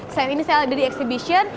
sanyaing ini alir exhibition